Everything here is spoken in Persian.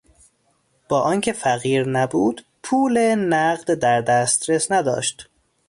با آنکه فقیر نبود پول نقد در دسترس نداشت.